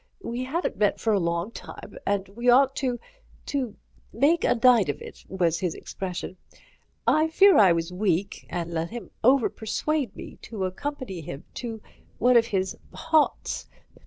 We hadn't met for a long time and we ought to—to make a night of it, was his expression. I fear I was weak, and let him overpersuade me to accompany him to one of his haunts.